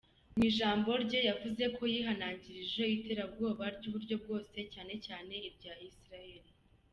Mu ijambo rye yavuze ko yihanangirije iterabwoba ry'uburyo bwose, cyane cyane irya Israel.